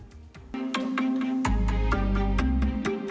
mikroplastik dan siput tidak hancur di rantai makanan